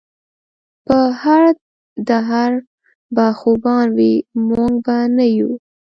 پۀ هر دهر به خوبان وي مونږ به نۀ يو